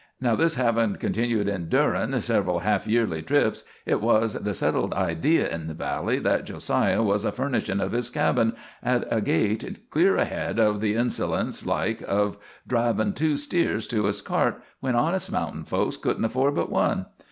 Now this havin' continued endurin' several half yearly trips, hit was the settled idee in the valley that Jo siah was a furnishin' of his cabin at a gait clear ahead of the insolence like of drivin' two steers to his cart when honest mountain folks couldn't afford but one.